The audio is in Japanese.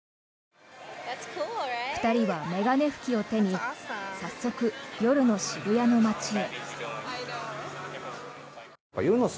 ２人は眼鏡拭きを手に早速、夜の渋谷の街へ。